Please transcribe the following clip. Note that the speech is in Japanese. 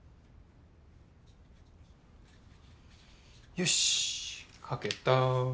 よし書けた。